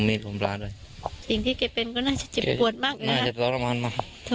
บอกพ่อไม่ต้องร่วมตำรวจเขาจะจัดคนผิดมาลงโทษได้หมดอยู่แล้ว